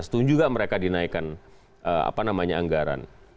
setuju nggak mereka dinaikkan anggaran